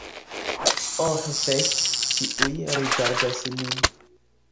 Oh fek, ĉiuj rigardas min